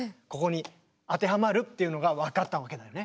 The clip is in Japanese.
ここに当てはまるっていうのが分かったわけだよね。